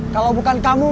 kalau bukan kamu